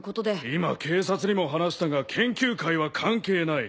今警察にも話したが研究会は関係ない。